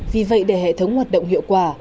vì vậy để hệ thống hoạt động hiệu quả